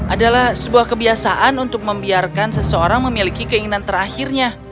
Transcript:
adalah sebuah kebiasaan untuk membiarkan seseorang memiliki keinginan terakhirnya